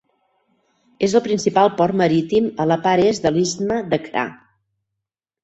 És el principal port marítim a la part est de l'istme de Kra.